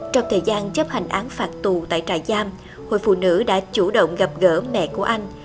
trong thời gian chấp hành án phạt tù tại trại giam hội phụ nữ đã chủ động gặp gỡ mẹ của anh